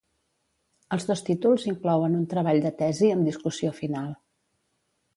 Els dos títols inclouen un treball de tesi amb discussió final.